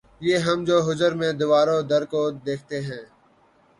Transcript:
یہ ہم جو ہجر میں دیوار و در کو دیکھتے ہیں